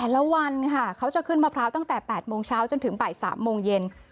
ละวันค่ะเขาจะขึ้นมะพร้าวตั้งแต่๘โมงเช้าจนถึงบ่าย๓โมงเย็น